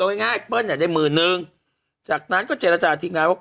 เอาง่ายเปิ้ลเนี่ยได้หมื่นนึงจากนั้นก็เจรจาทีมงานว่า